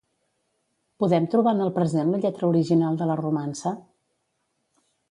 Podem trobar en el present la lletra original de la romança?